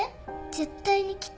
絶対に来て。